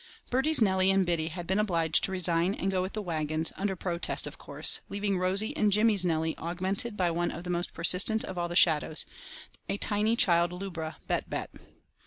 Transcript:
Bertie's Nellie and Biddie had been obliged to resign and go with the waggons, under protest, of course, leaving Rosy and Jimmy's Nellie augmented by one of the most persistent of all the shadows—a tiny child lubra, Bett Bett.